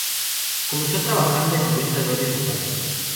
Comenzó trabajando en diversas radios locales.